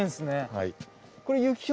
はい。